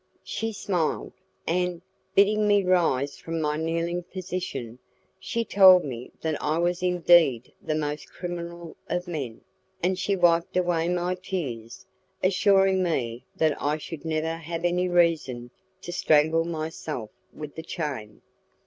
She smiled, and, bidding me rise from my kneeling position, she told me that I was indeed the most criminal of men, and she wiped away my tears, assuring me that I should never have any reason to strangle myself with the chain.